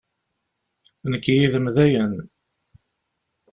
Nekk yid-m, dayen!